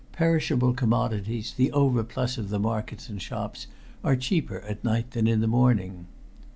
Perishable commodities, the overplus of the markets and shops, are cheaper at night than in the morning.